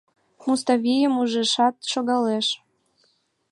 Муставийым ужешат, шогалеш.